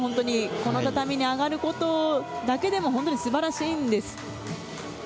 この畳に上がることだけでも本当に素晴らしいんです。